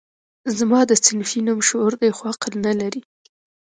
زما ده صنفي نوم شعور دی خو عقل نه لري